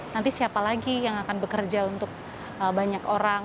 nanti siapa lagi yang akan bekerja untuk banyak orang